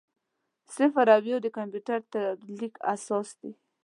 صفر او یو د کمپیوټر د لیک اساس دی.